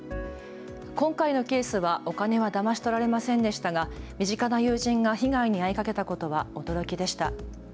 今回のケースはお金はだまし取られませんでしたが身近な友人が被害に遭いかけたことは驚きでした。